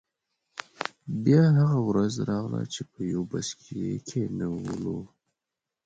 بیا هغه ورځ راغله چې په یو بس کې یې کینولو.